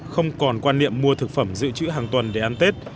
không còn quan niệm mua thực phẩm dự trữ hàng tuần để ăn tết